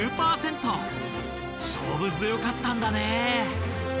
勝負強かったんだね。